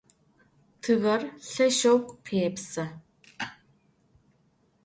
Тыгъэр лъэшэу къепсы.